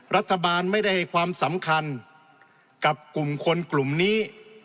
รัฐบาลไม่ได้ให้ความสำคัญกับกลุ่มคนกลุ่มนี้